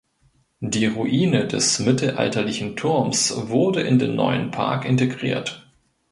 Die Ruine des mittelalterlichen Turms wurde in den neuen Park integriert.